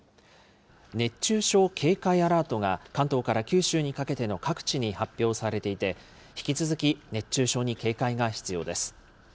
熱中症警戒アラートが、関東から九州にかけての各地に発表されていて、引き続き熱中症に警戒が必要です。